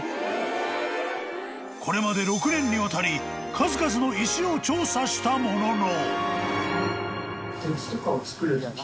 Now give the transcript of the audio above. ［これまで６年にわたり数々の石を調査したものの］